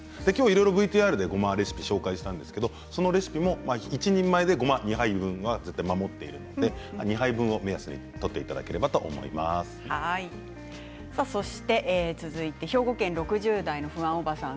いろいろＶＴＲでごまレシピ紹介したんですがそのレシピも１人分ごま２杯の配分は守っているので２杯分を目安にとっていただければと思います。